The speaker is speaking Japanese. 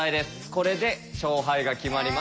これで勝敗が決まります。